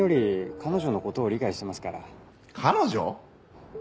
彼女？